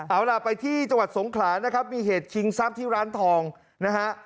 เอาล่ะไปที่จังหวัดสงขลานะครับมีเหตุชิงทรัพย์ที่ร้านทองนะฮะ